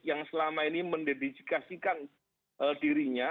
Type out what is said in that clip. yang selama ini mendedikasikan dirinya